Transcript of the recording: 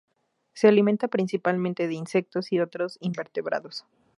Se alimenta principalmente de insectos y otros invertebrados.